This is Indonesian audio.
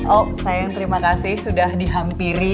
oh sayang terima kasih sudah dihampiri